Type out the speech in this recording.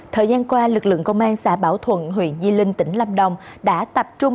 thời gian qua lực lượng công an xã bảo thuận huyện di linh tỉnh lâm đồng đã tập trung